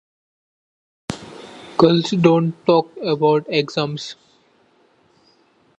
Girls, don’t talk about exams!